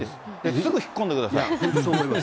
すぐ引っ込んでください。